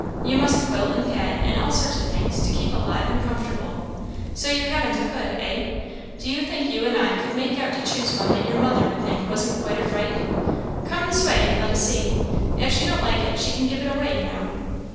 You must quilt and pad, and all sorts of things, to keep alive and comfortable. So you haven't a hood, eh? Do you think you and I could make out to choose one that your mother would think wasn't quite a fright! Come this way, and let us see. If she don't like it, she can give it away, you know."